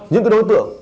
những cái đối tượng